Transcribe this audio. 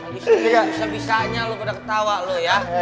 bisa bisanya lu udah ketawa lu ya